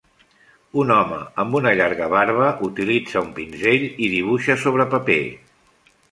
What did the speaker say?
Un home amb una llarga barba utilitza un pinzell i dibuixa sobre paper.